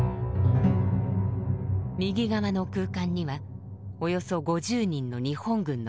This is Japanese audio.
右側の空間にはおよそ５０人の日本軍の兵士。